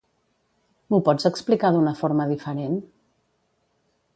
M'ho pots explicar d'una forma diferent?